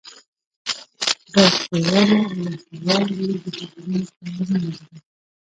ډاکوانو او وسله والو غلو د حکومت پروا نه لرله.